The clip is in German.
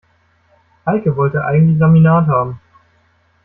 Heike wollte eigentlich Laminat haben.